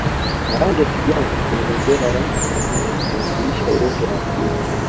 rangi ya kijani kwenye bendera ya tanzania inawakilisha uoto wa asili